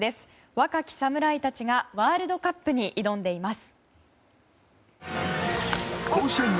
若き侍たちがワールドカップに挑んでいます。